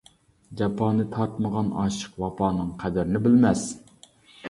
جاپانى تارتمىغان ئاشىق، ۋاپانىڭ قەدرىنى بىلمەس.